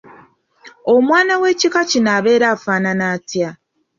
Omwana w'ekika kino abeera afaanana atya?